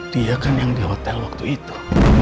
dia kan yang di hotel waktu itu